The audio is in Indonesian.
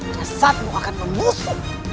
dan jasadmu akan membusuk